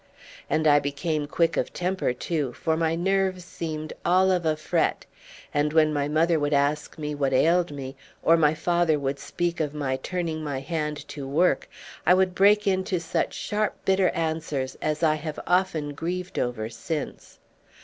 And I became quick of temper too, for my nerves seemed all of a fret, and when my mother would ask me what ailed me, or my father would speak of my turning my hand to work, I would break into such sharp bitter answers as I have often grieved over since.